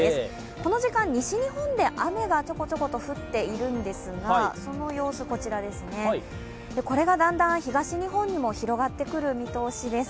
この時間、西日本で雨がちょこちょこと降っているんですがその様子、これがだんだん東日本にも広がってくる見通しです。